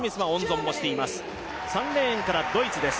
３レーンからドイツです。